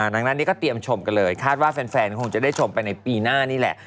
ดังนั้นนี่ก็เตรียมชมกันเลยคาดว่าแฟนคงจะได้ชมไปในปีหน้านี่แหละ